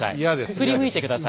振り向いて下さい。